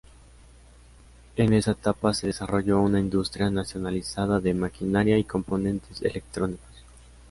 En esa etapa se desarrolló una industria nacionalizada de maquinaria y componentes electrónicos.